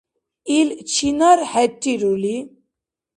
Ил чинар хӀеррирули?